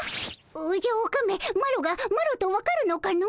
おじゃオカメマロがマロと分かるのかの？